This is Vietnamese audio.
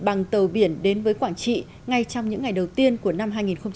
bằng tàu biển đến với quảng trị ngay trong những ngày đầu tiên của năm hai nghìn hai mươi